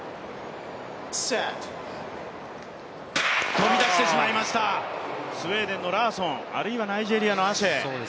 飛びだしてしまいました、スウェーデンのラーソン、あるいはナイジェリアのアシェ。